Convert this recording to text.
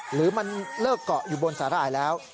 หรือมันเลิกเกาะอยู่บนสาหร่ายแล้ว